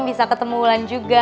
bisa ketemu ulan juga